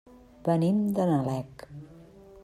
Venim de Nalec.